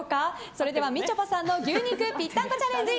それではみちょぱさんの牛肉ぴったんこチャレンジ